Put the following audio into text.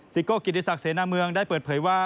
ซิโกะกิฤทธิศักดิ์เสนอเมืองได้เปิดเผยว่า